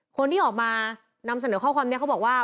คนที่ออกมานำเสนอข้อความนี้เขาบอกว่า